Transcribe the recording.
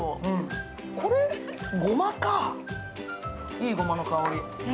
いいごまの香り。